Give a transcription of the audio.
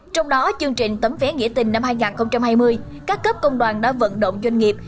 trong đó chương trình tấm vé nghĩa tình năm hai nghìn hai mươi các cấp công đoàn đã vận động doanh nghiệp